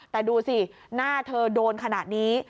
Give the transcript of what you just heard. แต่ดูสิหน้าเธอโดนขนาดนี้